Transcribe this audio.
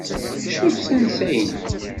D acu-tt tansa-inek?